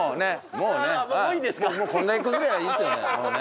もうこんな１個ぐらいいいですよね？